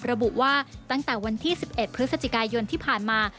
ระบุว่าตั้งแต่วันที่๑๑พฤศจิกายนที่ผ่านมา